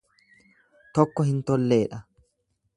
Tokko hin tolleedha.